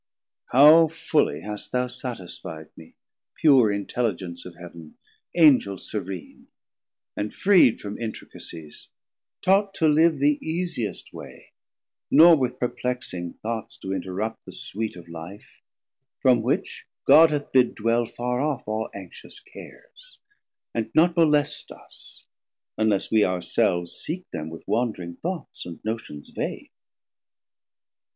How fully hast thou satisfi'd mee, pure 180 Intelligence of Heav'n, Angel serene, And freed from intricacies, taught to live, The easiest way, nor with perplexing thoughts To interrupt the sweet of Life, from which God hath bid dwell farr off all anxious cares, And not molest us, unless we our selves Seek them with wandring thoughts, and notions vaine.